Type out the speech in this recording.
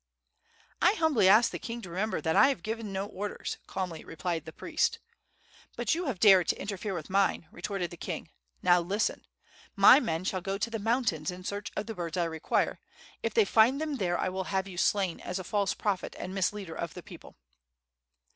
"I humbly ask the king to remember that I have given no orders," calmly replied the priest. "But you have dared to interfere with mine!" retorted the king. "Now listen. My men shall go to the mountains in search of the birds I require. If they find them there I will have you slain as a false prophet and misleader of the people!"